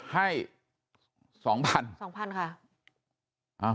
ให้สองพัน